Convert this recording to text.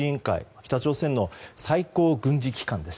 北朝鮮の最高軍事機関です。